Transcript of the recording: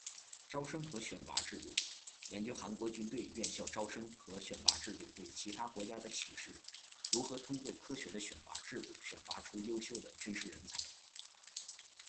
招生和选拔制度：研究韩国军队院校招生和选拔制度对其他国家的启示，如何通过科学的选拔制度选拔出优秀的军事人才